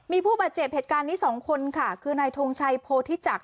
มีผู้บาดเจ็บเหตุการณ์นี้สองคนค่ะคือนายทงชัยโพธิจักร